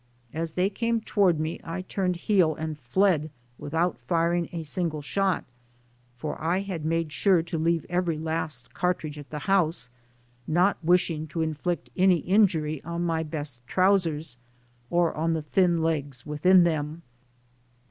As they came toward me I turned heel and fled without firing a single shot, for I had made sure to leave every last cartridge at the house, not wish ing to inflict any injury on my best trousers or on the thin legs within them.